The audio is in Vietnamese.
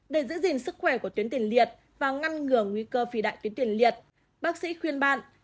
để giữ gìn sức khỏe của tuyến tiền liệt và ngăn ngừa nguy cơ phi đại tuyến tiền liệt bác sĩ khuyên bạn